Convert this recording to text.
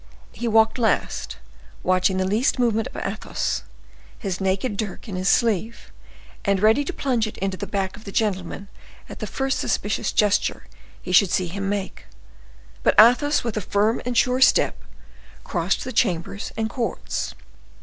He walked last, watching the least movement of Athos, his naked dirk in his sleeve, and ready to plunge it into the back of the gentleman at the first suspicious gesture he should see him make. But Athos, with a firm and sure step, crossed the chambers and courts.